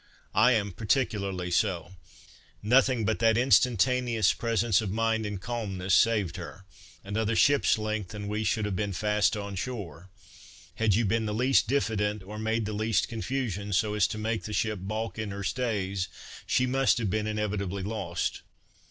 I am particularly so; nothing but that instantaneous presence of mind and calmness saved her; another ship's length and we should have been fast on shore; had you been the least diffident, or made the least confusion, so as to make the ship baulk in her stays, she must have been inevitably lost."